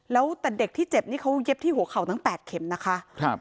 แล้วแต่เด็กที่เจ็บนี่เขาเย็บที่หัวเข่าทั้ง๘เข็มนะคะ